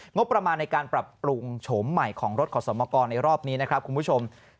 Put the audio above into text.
งบประมาณในการปรับปรุงโฉมใหม่ของรถขอสมกรในรอบนี้นะครับคุณผู้ชม